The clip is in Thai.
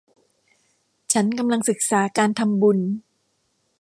ฉันกำลังศีกษาการทำบุญ